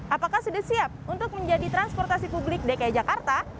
apakah sudah siap untuk menjadi transportasi publik dki jakarta